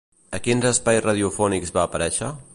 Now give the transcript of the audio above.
A quins espais radiofònics va aparèixer?